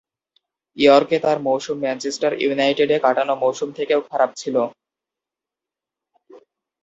ইয়র্কে তার মৌসুম ম্যানচেস্টার ইউনাইটেডে কাটানো মৌসুম থেকেও খারাপ ছিল।